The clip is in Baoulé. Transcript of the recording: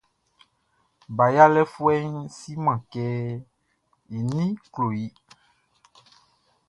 Ba yalɛfuɛʼn siman kɛ i ninʼn klo i.